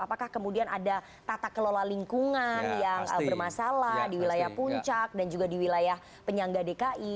apakah kemudian ada tata kelola lingkungan yang bermasalah di wilayah puncak dan juga di wilayah penyangga dki